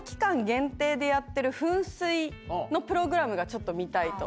限定でやってる噴水のプログラムがちょっと見たいと。